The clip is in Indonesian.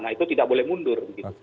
nah itu tidak boleh mundur